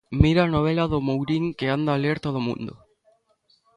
Mira a novela do Mourín que anda a ler todo o mundo.